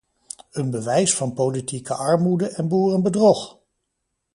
Een bewijs van politieke armoede en boerenbedrog!